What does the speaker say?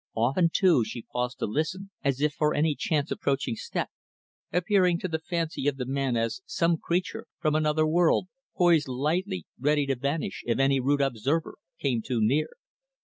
Often, too, she paused to listen, as if for any chance approaching step appearing, to the fancy of the man, as some creature from another world poised lightly, ready to vanish if any rude observer came too near.